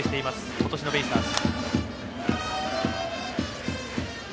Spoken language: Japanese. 今年のベイスターズ。